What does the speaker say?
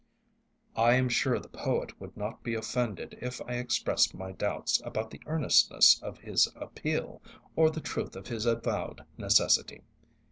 I am sure the poet would not be offended if I expressed my doubts about the earnestness of his appeal, or the truth of his avowed necessity.